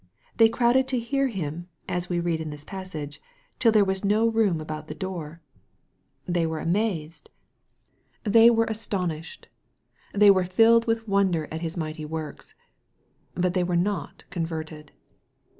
They crowded to hear Him, as we read in this passage, " till there was no room about the door." They were amazed. They MARK, CHAP. II. 27 were astonished. They were filled with wonder at His mighty works. But they were not converted.